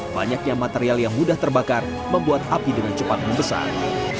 banyaknya material yang mudah terbakar membuat api dengan cepat membesar